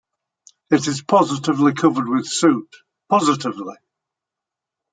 It is positively covered with soot, positively.